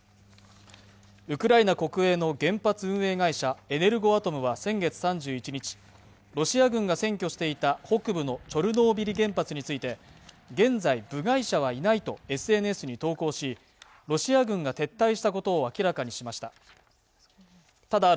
ウクライナ国営の原発運営会社エネルゴアトムは先月３１日ロシア軍が占拠していた北部のチョルノービリ原発について現在部外者はいないとＳＮＳに投稿しロシア軍が撤退したことを明らかにしました